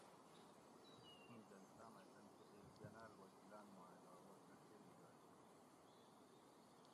ایں جلساۤ مئ تن کتیک گناۤل وکیلاۤن ما علاوہ سرکیری ملازمین